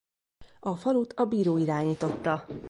A falut a bíró irányította.